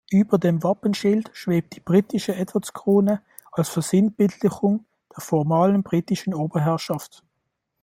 Über dem Wappenschild schwebt die britische Edwardskrone als Versinnbildlichung der formalen britischen Oberherrschaft.